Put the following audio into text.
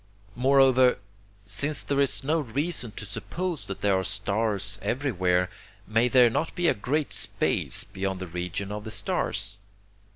Moreover, since there is no reason to suppose that there are stars everywhere, may there not be a great space beyond the region of the stars?